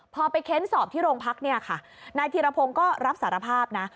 พอไปเค้นสอบที่โรงพักเนี่ยค่ะนายธีรพงศ์ก็รับสารภาพนะ